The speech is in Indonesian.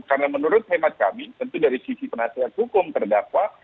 karena menurut hemat kami tentu dari sisi penasihat hukum terdakwa